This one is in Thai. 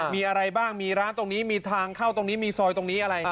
มีอะไรบ้างมีร้านตรงนี้มีทางเข้าตรงนี้มีซอยตรงนี้อะไร